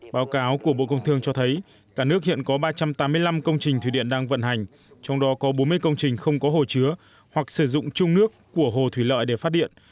báo cáo của bộ công thương cho thấy cả nước hiện có ba trăm tám mươi năm công trình thủy điện đang vận hành trong đó có bốn mươi công trình không có hồ chứa hoặc sử dụng chung nước của hồ thủy lợi để phát điện